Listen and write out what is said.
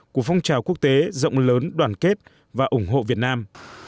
của phong trào quốc tế rộng lớn đoàn kết và ủng hộ việt nam